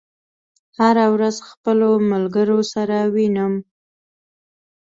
هره ورځ خپلو ملګرو سره وینم